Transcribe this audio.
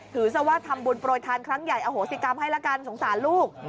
ซะว่าทำบุญโปรยทานครั้งใหญ่อโหสิกรรมให้ละกันสงสารลูก